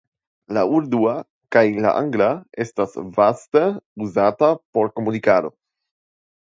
La urdua kaj la angla estas vaste uzata por komunikado.